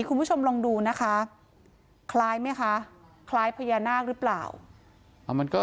คุณผู้ชมลองดูนะคะคล้ายไหมคะคล้ายพญานาคหรือเปล่ามันก็